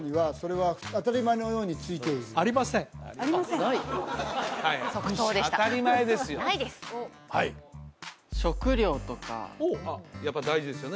はい食料とかやっぱり大事ですよね